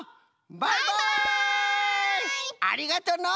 ありがとの！